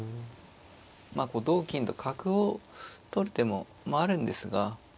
こう同金と角を取る手もあるんですが。